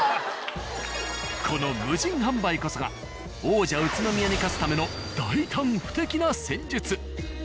この無人販売こそが王者宇都宮に勝つための大胆不敵な戦術。